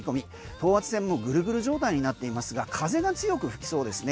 等圧線もぐるぐる状態になっていますが風が強く吹きそうですね。